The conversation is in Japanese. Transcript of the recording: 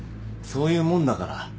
そういうもんだから。